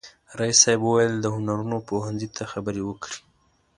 رئیس صاحب وویل د هنرونو پوهنځي ته خبرې وکړي.